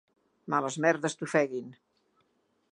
Males merdes t'ofeguin.